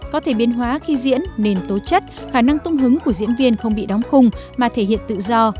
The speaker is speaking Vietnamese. có thể biên hóa khi diễn nền tố chất khả năng tung hứng của diễn viên không bị đóng khung mà thể hiện tự do